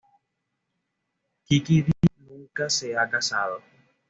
Kiki Dee nunca se ha casado.